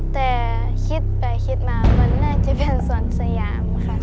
แต่คิดไปคิดมามันน่าจะเป็นสวนสยามค่ะ